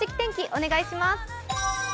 お願いします。